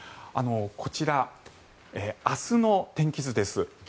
こちら、明日の天気図です。